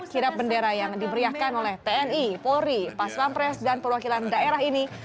kirap bendera yang diberiakan oleh tni polri pas pampres dan perwakilan daerah ini